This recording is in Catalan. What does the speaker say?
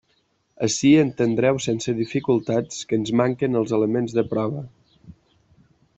Ací entendreu sense dificultats que ens manquen els elements de prova.